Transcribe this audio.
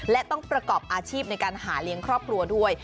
และต้องประกอบอาชีพในการหาเลี้ยงครอบครัวด้วย